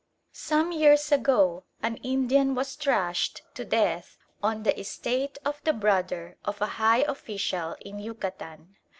Some years ago an Indian was thrashed to death on the estate of the brother of a high official in Yucatan.